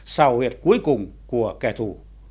xào huyệt cuối cùng của kẻ thù